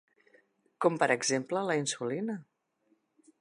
Com per exemple la insulina.